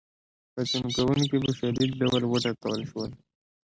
پاڅون کوونکي په شدید ډول وټکول شول.